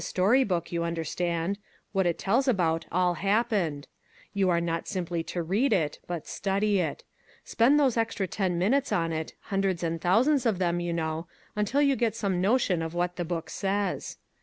story book, you understand. 68 " I'LL DO MY VERY BEST " What it tells about all happened. You are not simply to read it, but study it. Spend those extra ten minutes on it, hundreds and thou sands of them, you know, until you get some notion of what the book says.